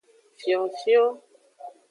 Fionfion.